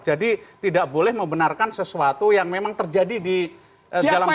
jadi tidak boleh membenarkan sesuatu yang memang terjadi di dalam polri